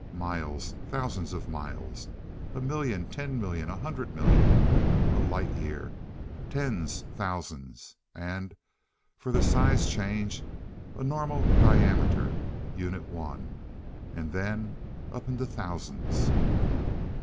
Miles thousands of miles. A million; ten millions; a hundred million. A light year; tens, thousands. And, for the size change, a normal diameter, Unit 1 and then up into thousands.